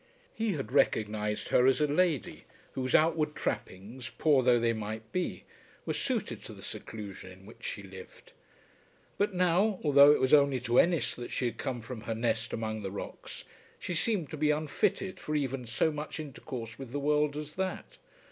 He had recognized her as a lady whose outward trappings, poor though they might be, were suited to the seclusion in which she lived. But now, although it was only to Ennis that she had come from her nest among the rocks, she seemed to be unfitted for even so much intercourse with the world as that.